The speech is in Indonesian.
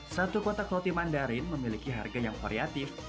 satu kotak roti mandarin memiliki harga yang variatif